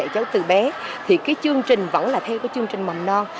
cháu từ bé thì cái chương trình vẫn là theo cái chương trình mầm non